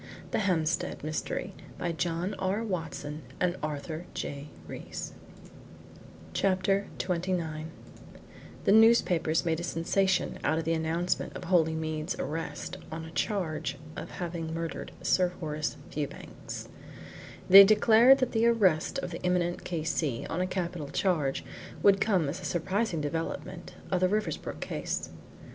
There is already a warrant out for Holymead's arrest" CHAPTER XXIX The newspapers made a sensation out of the announcement of Holymead's arrest on a charge of having murdered Sir Horace Fewbanks. They declared that the arrest of the eminent K.C. on a capital charge would come as a surprising development of the Riversbrook case.